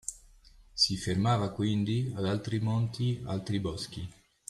si fermava quindi ad altri monti, altri boschi.